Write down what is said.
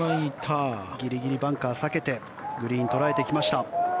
ギリギリバンカーを避けてグリーンを捉えていきました。